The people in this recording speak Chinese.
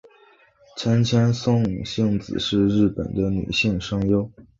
千千松幸子是日本的女性声优。